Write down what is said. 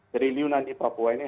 triliunan di papua ini